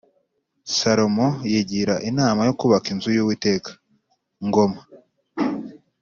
Salomo yigira inama yo kubaka inzu y’Uwiteka ( Ngoma -)